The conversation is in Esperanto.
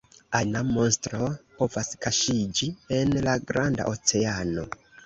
Ajna monstro povas kaŝiĝi en la granda oceano.